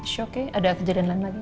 shoke ada kejadian lain lagi